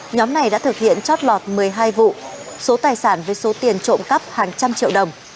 nhóm này đã thực hiện chót lọt một mươi hai vụ số tài sản với số tiền trộm cắp hàng trăm triệu đồng